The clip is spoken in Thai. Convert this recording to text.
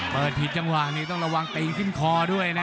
ผิดจังหวะนี้ต้องระวังตีนขึ้นคอด้วยนะ